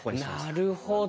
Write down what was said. なるほど。